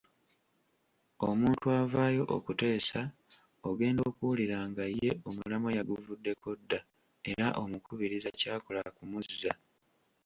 Omuntu avaayo okuteesa ogenda okuwulira nga ye omulamwa yaguvuddeko dda era omukubiriza ky'akola kumuzza.